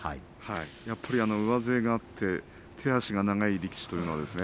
やっぱり上背があって手足が長い力士というのはですね